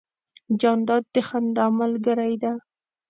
جانداد د خندا ملګری دی.